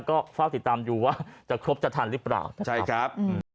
ก็เฝ้าติดตามอยู่ว่าจะครบจะทันหรือเปล่าใช่ครับ